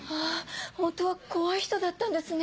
ホントは怖い人だったんですね。